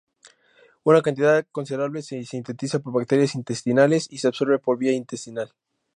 Una cantidad considerable se sintetiza por bacterias intestinales y se absorbe por vía intestinal.